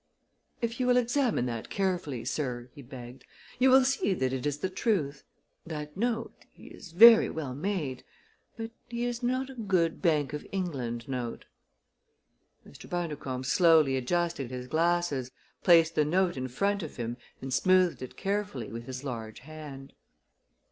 "If you will examine that carefully, sir," he begged, "you will see that it is the truth. That note, he is very well made; but he is not a good Bank of England note." Mr. Bundercombe slowly adjusted his glasses, placed the note in front of him and smoothed it carefully with his large hand.